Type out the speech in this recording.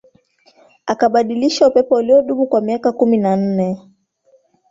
akabadilisha upepo uliodumu kwa miaka kumi na nne